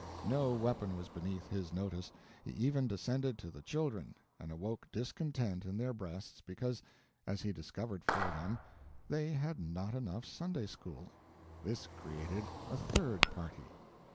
No weapon was beneath his notice; he even descended to the children, and awoke discontent in their breasts because as he discovered for them they had not enough Sunday school. This created a third party.